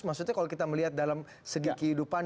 maksudnya kalau kita melihat dalam segi kehidupan